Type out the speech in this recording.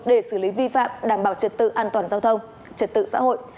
để xử lý vi phạm đảm bảo trật tự an toàn giao thông trật tự xã hội